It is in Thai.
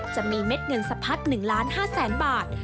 จะมีเม็ดเงินสะพัด๑๕๐๐๐๐๐บาท